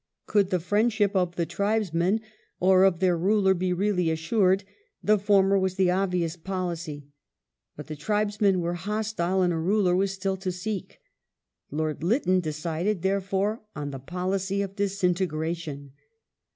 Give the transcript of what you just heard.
Could the friendship of the tribesmen or of their ruler be really assured, the former was the obvious policy. But the tribesmen were hostile, and a ruler was still to seek. Lord Lytton decided therefore on the policy of disintegration.